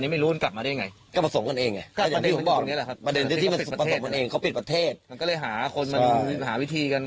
มันก็เลยหาวิธีกัน